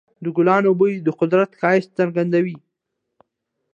د ګلونو بوی د قدرت ښایست څرګندوي.